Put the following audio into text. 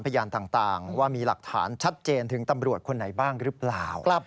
พยานต่างว่ามีหลักฐานชัดเจนถึงตำรวจคนไหนบ้างหรือเปล่า